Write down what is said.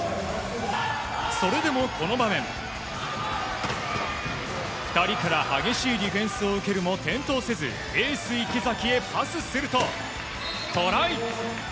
それでも、この場面２人から激しいディフェンスを受けるも転倒せず、エース池崎へパスするとトライ！